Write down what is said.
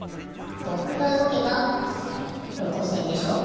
ぼくがうごけばよこせんでしょ。